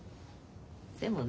でもねえ